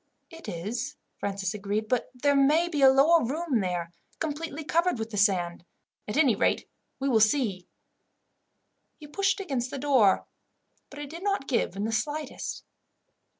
"It is," Francis agreed; "but there may be a lower room there, completely covered with the sand. At any rate, we will see." He pushed against the door, but it did not give in the slightest.